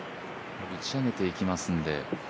打ち上げていきますので。